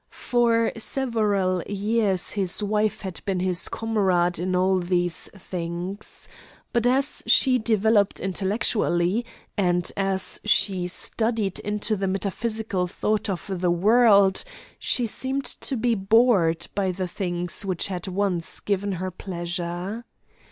For several years his wife had been his comrade in all these things. But as she developed intellectually, and as she studied into the metaphysical thought of the world, she seemed to be bored by the things which had once given her pleasure.